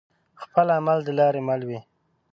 خپل عمل دلاري مل وي